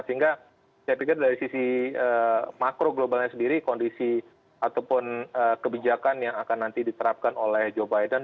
sehingga saya pikir dari sisi makro globalnya sendiri kondisi ataupun kebijakan yang akan nanti diterapkan oleh joe biden